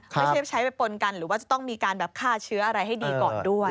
ไม่ใช่ใช้ไปปนกันหรือว่าจะต้องมีการแบบฆ่าเชื้ออะไรให้ดีก่อนด้วย